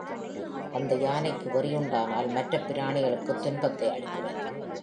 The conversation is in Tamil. அந்த யானைக்கு வெறி உண்டானால், மற்றப் பிராணிகளுக்குத் துன் பத்தை அளிக்கிறது.